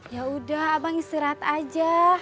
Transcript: ya udah abang istirahat aja